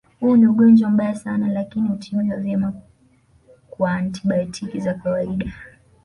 Huu ni ugonjwa mbaya sana lakini hutibiwa vyema kwa antibayotiki za kawaida